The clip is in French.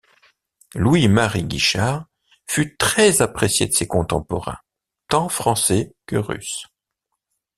Louis-Marie Guichard fut très apprécié de ses contemporains, tant français que russes.